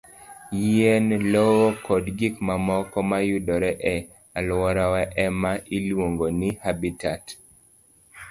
Yien, lowo, kod gik mamoko ma yudore e alworawa e ma iluongo ni habitat.